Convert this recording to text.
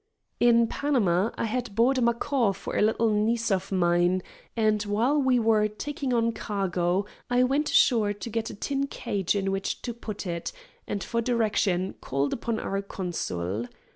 In Panama I had bought a macaw for a little niece of mine, and while we were taking on cargo I went ashore to get a tin cage in which to put it, and, for direction, called upon our consul.